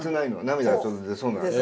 涙が出そうな感じ。